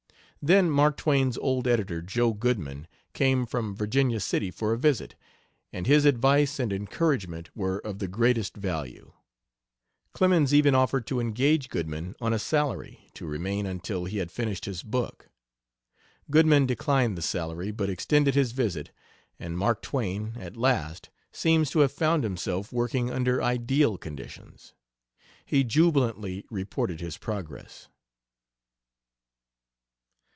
Then Mark Twain's old editor, "Joe" Goodman, came from Virginia City for a visit, and his advice and encouragement were of the greatest value. Clemens even offered to engage Goodman on a salary, to remain until he had finished his book. Goodman declined the salary, but extended his visit, and Mark Twain at last seems to have found himself working under ideal conditions. He jubilantly reports his progress.